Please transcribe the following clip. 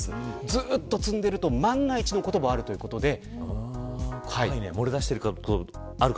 ずっと積んでいると万が一のこともあるそうです。